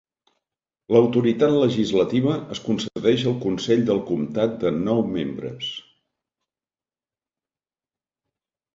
L'autoritat legislativa es concedeix al consell del comptat de nou membres.